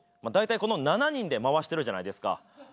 大体この７人で回してるじゃないですか。